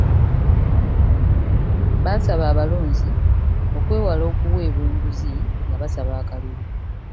Baasaba abalonzi okwewala okuweebwa enguzi nga babasaba akalulu.